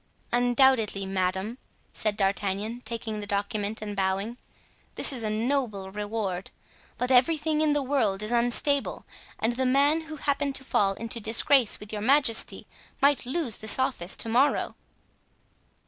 "Undoubtedly, madame," said D'Artagnan, taking the document and bowing, "this is a noble reward; but everything in the world is unstable, and the man who happened to fall into disgrace with your majesty might lose this office to morrow."